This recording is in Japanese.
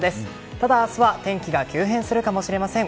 ただ、明日は天気が急変するかもしれません。